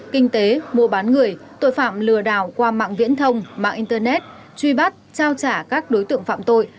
kinh tế mua bán người tội phạm lừa đảo qua mạng viễn thông mạng internet truy bắt trao trả các đối tượng phạm tội